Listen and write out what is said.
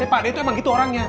pak ded itu emang gitu orangnya